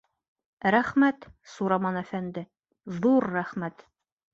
— Рәхмәт, Сураман әфәнде, ҙур рәхмәт.